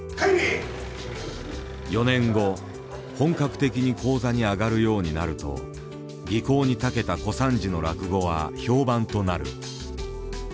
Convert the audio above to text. ４年後本格的に高座に上がるようになると技巧にたけた小三治の落語は評判となる。